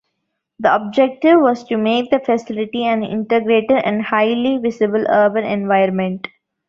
The objective was to make the facility an integrated and highly visible urban environment.